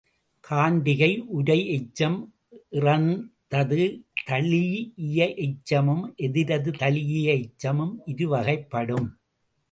காண்டிகை உரை எச்சம் இறந்தது தழீஇய எச்சமும் எதிரது தழீஇய எச்சமும் இருவகைப்படும்.